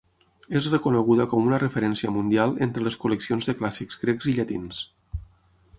És reconeguda com una referència mundial entre les col·leccions de clàssics grecs i llatins.